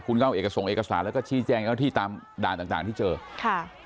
คุณก็เอาเอกส่งเอกสารแล้วก็ชี้แจ้งเจ้าที่ตามด่านต่างต่างที่เจอค่ะ